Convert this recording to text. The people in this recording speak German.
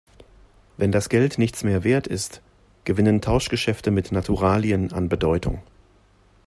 Wenn das Geld nichts mehr Wert ist, gewinnen Tauschgeschäfte mit Naturalien an Bedeutung.